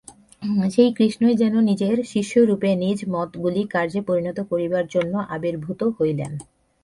সেই কৃষ্ণই যেন নিজের শিষ্যরূপে নিজ মতগুলি কার্যে পরিণত করিবার জন্য আবির্ভূত হইলেন।